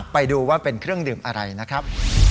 ไปดูว่าเป็นเครื่องดื่มอะไรนะครับ